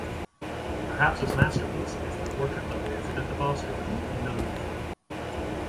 Perhaps his masterpiece is the portrait of Elizabeth of Austria in the Louvre.